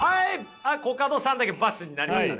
あっコカドさんだけ×になりましたね。